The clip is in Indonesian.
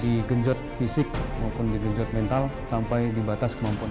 digenjot fisik maupun digenjot mental sampai dibatas kemampuan